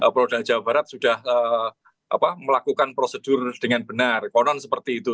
polda jawa barat sudah melakukan prosedur dengan benar konon seperti itu